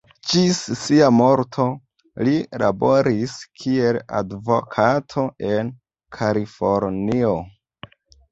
Ĝis sia morto, li laboris kiel advokato en Kalifornio.